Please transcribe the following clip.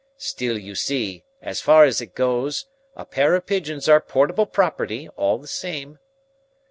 Still you see, as far as it goes, a pair of pigeons are portable property all the same."